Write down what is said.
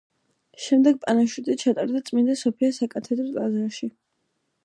შემდეგ პანაშვიდი ჩატარდა წმინდა სოფიას საკათედრო ტაძარში.